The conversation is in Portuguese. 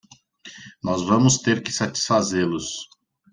Nós vamos ter que satisfazê-los.